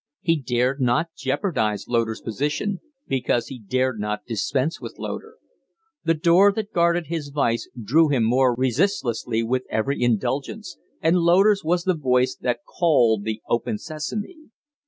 He dared not jeopardize Loder's position, because he dared not dispense with Loder. The door that guarded his vice drew him more resistlessly with every indulgence, and Loder's was the voice that called the "Open Sesame!"